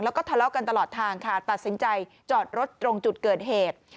แล้วก็ทะเลาะกันตลอดทางค่ะตัดสินใจจอดรถตรงจุดเกิดเหตุ